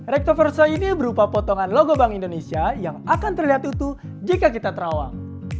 rektoversa ini berupa potongan logo bank indonesia yang akan terlihat utuh jika kita terawang